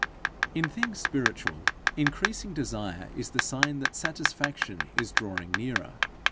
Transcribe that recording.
In things spiritual, increasing desire is the sign that satisfaction is drawing nearer.